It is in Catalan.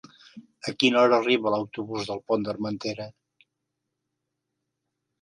A quina hora arriba l'autobús del Pont d'Armentera?